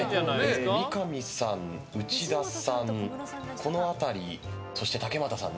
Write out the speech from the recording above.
三上さん、内田さん、この辺りそして、竹俣さん